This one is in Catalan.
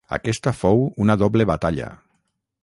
Aquesta fou una doble batalla.